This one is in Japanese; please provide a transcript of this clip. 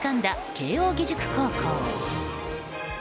慶應義塾高校。